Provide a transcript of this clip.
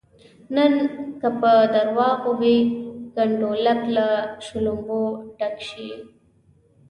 نن که په درواغو وي کنډولک له شلومبو ډک شي.